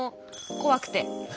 怖くて。